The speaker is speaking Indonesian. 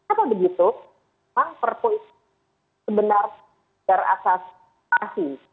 atau begitu memang prp itu sebenarnya terasasi